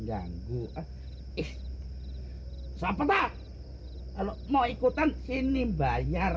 ngganggu ih sabota kalau mau ikutan sini bayar